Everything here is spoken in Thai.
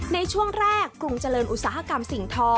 ในช่วงแรกกรุงเจริญอุตสาหกรรมสิ่งทอ